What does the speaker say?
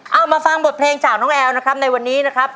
เอามาฟังบทเพลงจากน้องแอลนะครับในวันนี้นะครับ